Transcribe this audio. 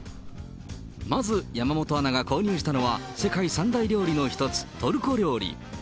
まず山本アナが購入したのは、世界三大料理の一つ、トルコ料理。